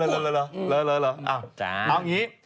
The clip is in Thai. เอาอย่างงี้